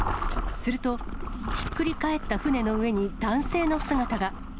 すると、ひっくり返った船の上に男性の姿が。